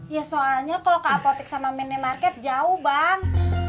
ya soalnya kalau ke apotek sama minimarket jauh bang